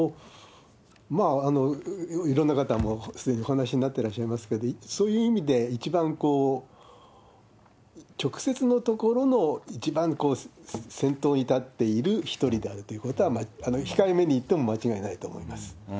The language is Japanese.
いろんな方、すでにお話になってらっしゃいますけど、そういう意味で一番直接のところの一番先頭に立っている一人であるということは、控えめに言っても間違いないと思います。